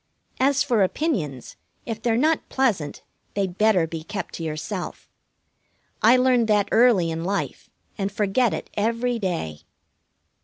As for opinions, if they're not pleasant they'd better be kept to yourself. I learned that early in life and forget it every day.